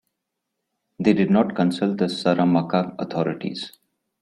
They did not consult the Saramaka authorities.